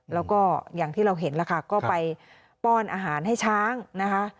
แล้วก็อย่างที่เราเห็นแล้วค่ะก็ไปป้อนอาหารให้ช้างนะคะ